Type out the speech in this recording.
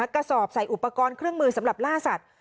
กระสอบใส่อุปกรณ์เครื่องมือสำหรับล่าสัตว